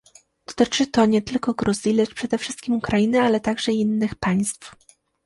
Dotyczy to nie tylko Gruzji, lecz przede wszystkim Ukrainy, ale także i innych państw